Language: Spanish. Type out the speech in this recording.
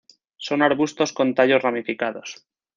Son arbustos con tallos ramificados.